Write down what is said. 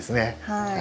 はい。